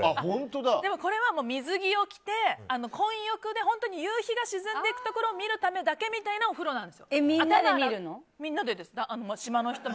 でもこれは水着を着て、混浴で夕日が沈んでいくところを見るためだけみたいなみんなで見るの？